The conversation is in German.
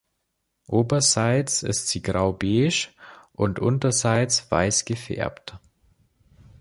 Oberseits ist sie grau-beige und unterseits weiß gefärbt.